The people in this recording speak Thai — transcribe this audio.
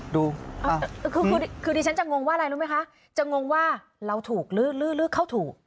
ดูคือดิฉันจะงงว่าอะไรรู้ไหมคะจะงงว่าเราถูกลื้อเข้าถูก